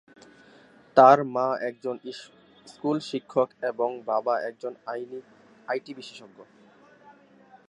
তার মা একজন স্কুল শিক্ষক এবং বাবা একজন আইটি বিশেষজ্ঞ।